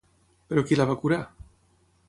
Però qui la va curar?